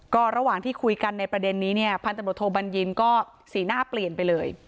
ก็ระหว่างที่คุยกันในประเด็นนี้เนี่ยพันธบทโทบัญญินก็สีหน้าเปลี่ยนไปเลย